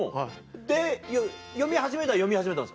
で読み始めたは読み始めたんですか？